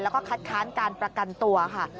แล้วก็คัดค้านการประกันตัวค่ะ